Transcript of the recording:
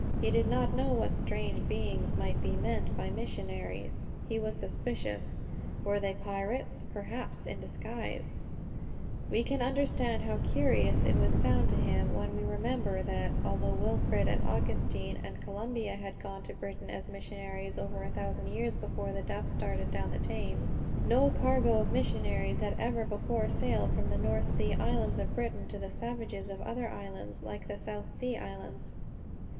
He did not know what strange beings might be meant by missionaries. He was suspicious. Were they pirates, perhaps, in disguise! We can understand how curious it would sound to him when we remember that (although Wilfrid and Augustine and Columba had gone to Britain as missionaries over a thousand years before The Duff started down the Thames) no cargo of missionaries had ever before sailed from those North Sea Islands of Britain to the savages of other lands like the South Sea Islands.